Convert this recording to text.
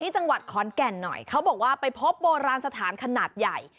จังหวัดขอนแก่นหน่อยเขาบอกว่าไปพบโบราณสถานขนาดใหญ่